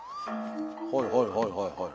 はいはいはいはいはい。